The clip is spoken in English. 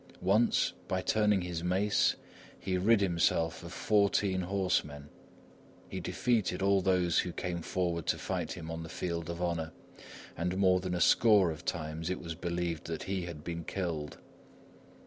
Once, by turning his mace, he rid himself of fourteen horsemen. He defeated all those who came forward to fight him on the field of honour, and more than a score of times it was believed that he had been killed.